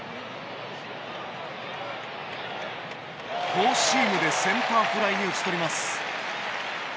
フォーシームでセンターフライに打ち取ります。